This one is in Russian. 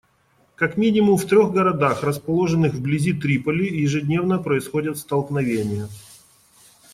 Как минимум в трех городах, расположенных вблизи Триполи, ежедневно происходят столкновения.